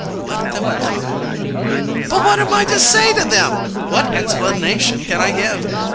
'Let them come.' 'But what am I to say to them? What explanation can I give?